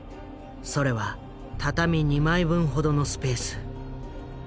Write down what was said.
それは畳２枚分ほどのスペース。